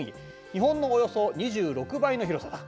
日本のおよそ２６倍の広さだ。